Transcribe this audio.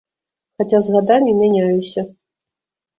Хаця з гадамі мяняюся.